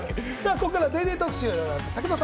ここからは「ＤａｙＤａｙ．特集」でございます。